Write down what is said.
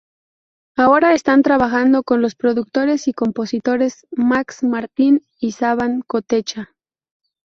Ahora están trabajando con los productores y compositores Max Martin y Savan Kotecha.